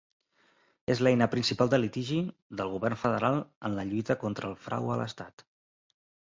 És l'eina principal de litigi del govern federal en la lluita contra el frau a l'estat.